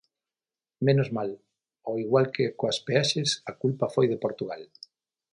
Menos mal que, ao igual que coas peaxes, a culpa foi de Portugal.